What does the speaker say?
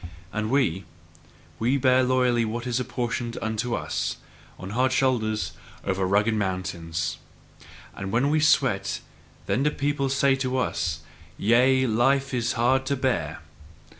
And we we bear loyally what is apportioned unto us, on hard shoulders, over rugged mountains! And when we sweat, then do people say to us: "Yea, life is hard to bear!"